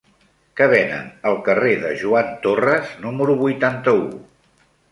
Què venen al carrer de Joan Torras número vuitanta-u?